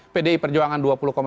pdi perjuangan dua puluh empat